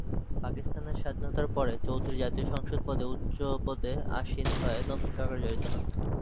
পাকিস্তানের স্বাধীনতার পরে চৌধুরী জাতীয় সংসদে উচ্চ পদে আসীন হয়ে নতুন সরকারে জড়িত হন।